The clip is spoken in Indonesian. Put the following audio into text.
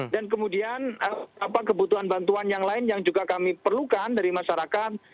dan kemudian kebutuhan bantuan yang lain yang juga kami perlukan dari masyarakat